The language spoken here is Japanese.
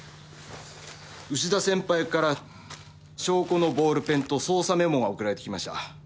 牛田先輩から証拠のボールペンと捜査メモが送られてきました。